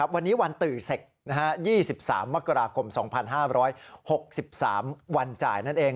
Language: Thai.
วันนี้วันตื่นเสร็จ๒๓มกราคม๒๕๖๓วันจ่ายนั่นเอง